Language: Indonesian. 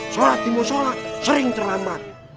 sholat dimu sholat sering terlambat